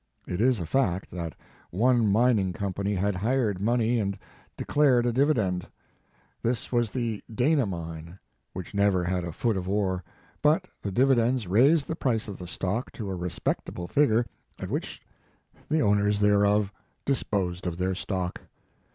It is a fact that one mining company had hired money and declared a dividend. This was the Dana His Life and Work. mine, which never had a foot of ore, but the dividend raised the price of the stock to a respectable figure, at which the owners thereof disposed of their stock.